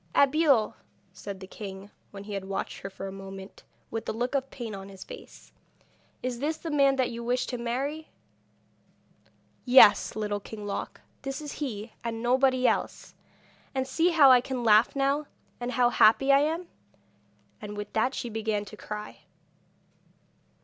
'Abeille,' said the king, when he had watched her for a moment, with a look of pain on his face, 'is this the man that you wish to marry?' 'Yes, Little King Loc, this is he and nobody else! And see how I can laugh now, and how happy I am!' And with that she began to cry.